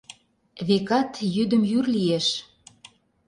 Векат, йӱдым йӱр лиеш.